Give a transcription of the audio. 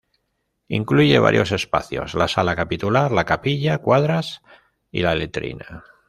Incluye varios espacios: la Sala Capitular, la Capilla, cuadras y la letrina.